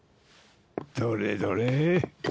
どれどれ。